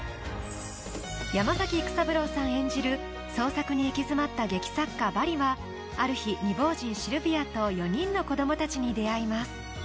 山崎育三郎さん演じる創作に行き詰まった劇作家・バリはある日、未亡人・シルヴィアと４人の子供たちに出会います。